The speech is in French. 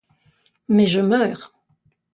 Mais je meurs!